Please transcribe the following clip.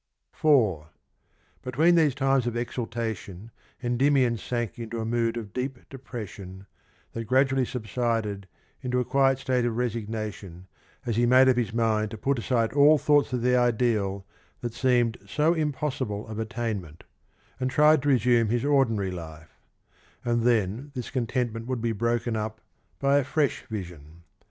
4. Between these times of exaltation Endymion sank into a mood of deep depression that gradually subsided into a quiet state of resignation as he made up his mind to put aside all thoughts of the ideal that seemed so impossible of attainment, and tried to resume his ordinary life ; and then this contentment would be broken up by a fresh vision.